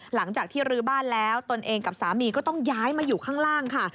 หลังจากที่รื้อบ้านแล้วตนเองกับสามีก็ต้องย้ายมาอยู่ข้างล่างค่ะ